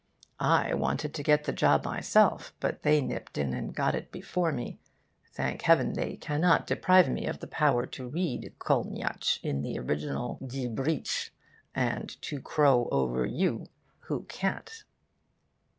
I wanted to get the job myself, but they nipped in and got it before me. Thank heaven, they cannot deprive me of the power to read Kolniyatsch in the original Gibrisch and to crow over you who can't.